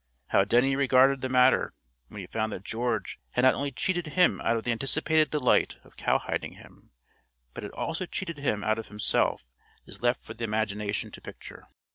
How Denny regarded the matter when he found that George had not only cheated him out of the anticipated delight of cowhiding him, but had also cheated him out of himself is left for the imagination to picture.